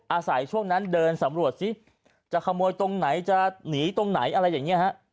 อาศัยช่วงนั้นเดินสำรวจสิจะขโมยตรงไหนจะหนีตรงไหนอะไรอย่างนี้ฮะ